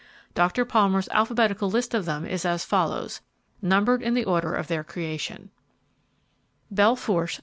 Dr. Palmer's alphabetical list of them is as follows, numbered in the order of their creation: Belle Fourche, S.